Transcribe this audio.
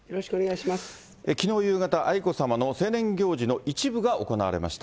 きのう夕方、愛子さまの成年行事の一部が行われました。